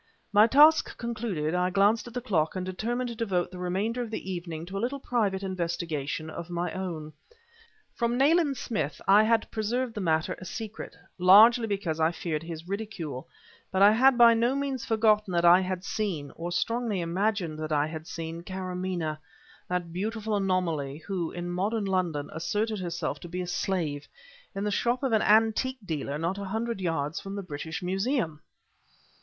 My task concluded, I glanced at the clock, and determined to devote the remainder of the evening to a little private investigation of my own. From Nayland Smith I had preserved the matter a secret, largely because I feared his ridicule; but I had by no means forgotten that I had seen, or had strongly imagined that I had seen, Karamaneh that beautiful anomaly, who (in modern London) asserted herself to be a slave in the shop of an antique dealer not a hundred yards from the British Museum!